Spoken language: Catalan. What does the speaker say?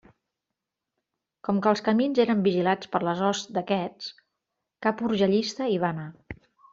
Com que els camins eren vigilats per les hosts d'aquests, cap urgellista hi va anar.